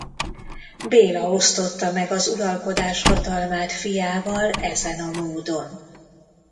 Béla osztotta meg az uralkodás hatalmát fiával ezen a módon.